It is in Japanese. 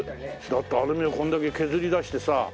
だってアルミをこれだけ削り出してさ。